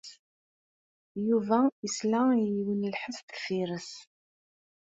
Yuba yesla i yiwen n lḥess deffir-s.